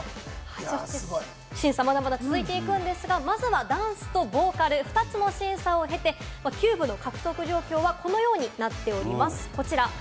審査はまだまだ続いていくんですけれども、まずはダンスとボーカル、２つの審査を経て、キューブの獲得状況はこのようになっております、こちら。